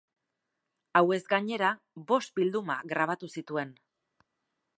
Hauez gainera, bost bilduma grabatu zituen.